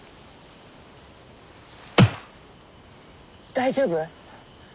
大丈夫？